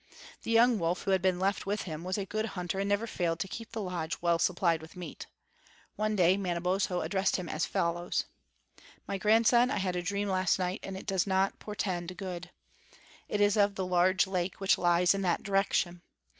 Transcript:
The young wolf who had been left with him was a good hunter and never failed to keep the lodge well supplied with meat. One day Manabozho addressed him as follows: "My grandson, I had a dream last night, and it does not portend good. It is of the large lake which lies in that direction.